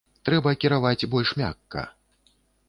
Трэба кіраваць больш мякка.